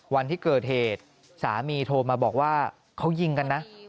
วันที่เกิดเหตุสามีโทรมาบอกว่าเขายิงกันนะ